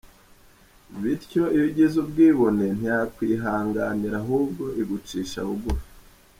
Bityo iyo ugize ubwibone ntiyakwihanganira ahubwo igucisha bugufi.